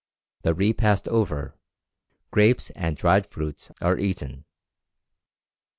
The repast over, grapes and dried fruits are eaten.